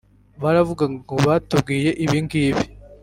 baravugaga ngo batubwiye ibingibi